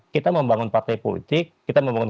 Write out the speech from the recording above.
kita membangun partai politik kita membangun